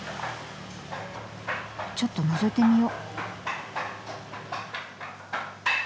ちょっとのぞいてみよ。